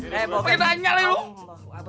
lo pengen anggar ya lo